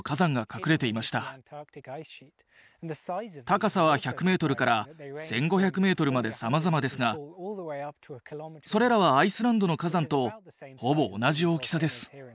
高さは１００メートルから１，５００メートルまでさまざまですがそれらはアイスランドの火山とほぼ同じ大きさです。